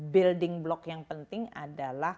building block yang penting adalah